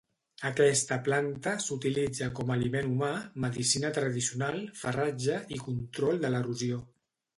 Aquesta planta s'utilitza com aliment humà, medicina tradicional, farratge i control de l'erosió.